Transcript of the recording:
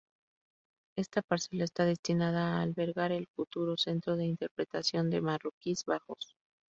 Esta parcela está destinada a albergar el futuro Centro de Interpretación de Marroquíes Bajos.